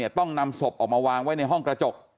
ต้องนำศพออกมาวางไว้ในห้องกระจก